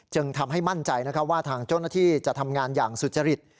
จึงทำให้มั่นใจว่าทางเจ้าหน้าที่จะทำงานอย่างสุจริต